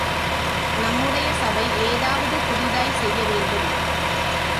நம்முடைய சபை ஏதாவது புதியதாய்ச் செய்யவேண்டும்.